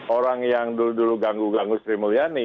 orang yang dulu dulu ganggu ganggu sri mulyani